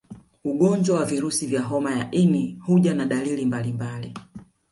Ugonjwa wa virusi vya homa ya ini huja na dalili mbalimbali